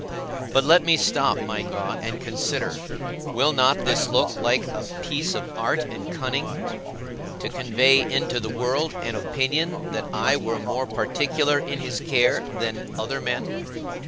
But let me stop, my God, and consider; will not this look like a piece of art and cunning, to convey into the world an opinion that I were more particular in his care than other men?